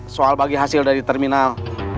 soal bagi hasil dari terminal